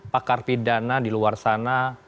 pakar pidana di luar sana